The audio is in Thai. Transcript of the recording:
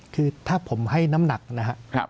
คือถ้าผมให้น้ำหนักนะครับ